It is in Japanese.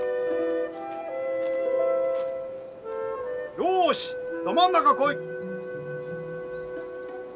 よしど真ん中来い！